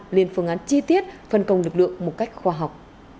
lên phương án chi tiết phân công lực lượng một cách khoa học